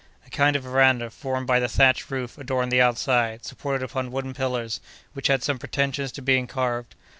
A kind of veranda, formed by the thatched roof, adorned the outside, supported upon wooden pillars, which had some pretensions to being carved.